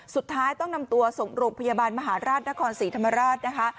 สุดท้ายต้องนำตัวส่งโรงพยาบาลมหาราชนครศรีธรรมราชนะคะ